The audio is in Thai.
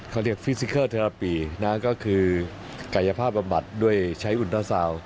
เขาเรียกฟิซิเคิลเทราปีนะก็คือกายภาพบำบัดด้วยใช้อุณตราซาวน์